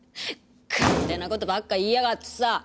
勝手な事ばっか言いやがってさ。